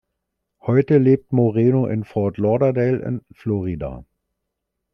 Heute lebt Moreno in Fort Lauderdale in Florida.